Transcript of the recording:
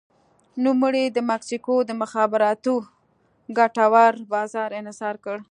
نوموړي د مکسیکو د مخابراتو ګټور بازار انحصار کړ.